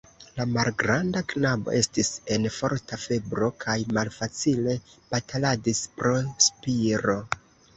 La malgranda knabo estis en forta febro kaj malfacile bataladis pro spiro.